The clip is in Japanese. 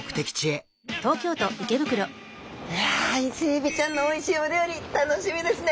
いやイセエビちゃんのおいしいお料理楽しみですね！